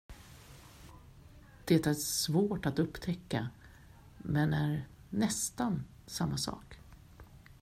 Det är svårt att upptäcka, men är nästan samma sak.